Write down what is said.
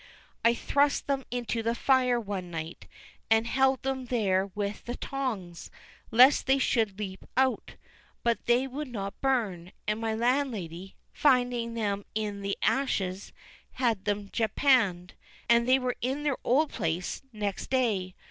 I thrust them into the fire one night, and held them there with the tongs, lest they should leap out; but they would not burn, and my landlady, finding them in the ashes, had them japanned, and they were in their old place next day.